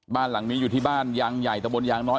บ้านหลังนี้อยู่ที่บ้านยางใหญ่ตะบนยางน้อย